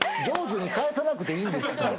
上手に返さなくていいんですよ。